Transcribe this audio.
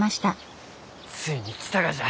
ついに来たがじゃ。